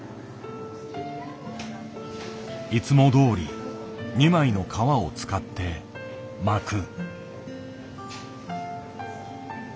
いつもどおり２枚の皮を使って巻く。